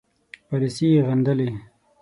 پالیسي یې غندلې.